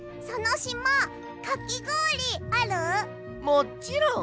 もちろん。